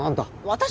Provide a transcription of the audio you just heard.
私？